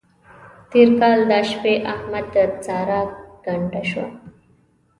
تېر کال دا شپې احمد د سارا ګنډه شو.